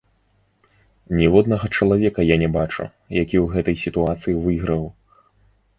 Ніводнага чалавека я не бачу, які ў гэтай сітуацыі выйграў.